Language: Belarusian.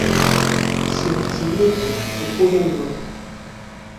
Смерць немцу і воля нам!